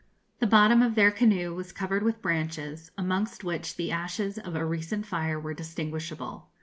The bottom of their canoe was covered with branches, amongst which the ashes of a recent fire were distinguishable.